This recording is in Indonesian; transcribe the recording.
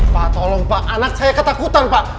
pak tolong pak anak saya ketakutan pak